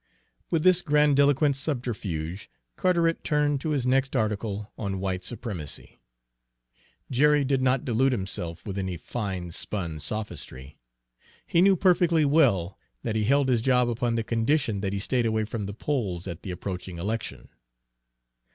With this grandiloquent subterfuge Carteret turned to his next article on white supremacy. Jerry did not delude himself with any fine spun sophistry. He knew perfectly well that he held his job upon the condition that he stayed away from the polls at the approaching election.